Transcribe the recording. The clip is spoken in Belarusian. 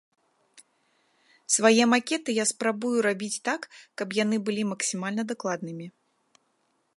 Свае макеты я спрабую рабіць так, каб яны былі максімальна дакладнымі.